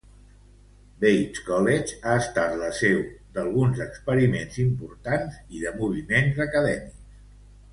Bates College ha estat la seu d"alguns experiments importants y de moviments acadèmics.